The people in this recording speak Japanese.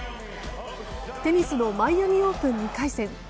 テニスのマイアミオープン２回戦。